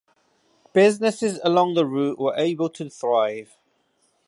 Businesses along the route were able to thrive.